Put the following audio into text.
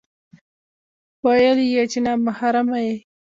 ويل يې چې نا محرمه يې